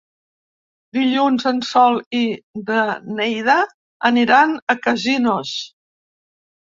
Dilluns en Sol i na Neida aniran a Casinos.